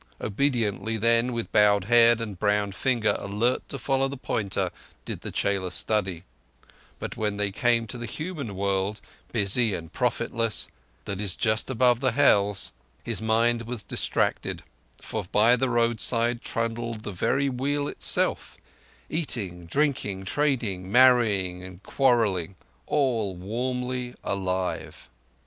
Obediently, then, with bowed head and brown finger alert to follow the pointer, did the chela study; but when they came to the Human World, busy and profitless, that is just above the Hells, his mind was distracted; for by the roadside trundled the very Wheel itself, eating, drinking, trading, marrying, and quarrelling—all warmly alive.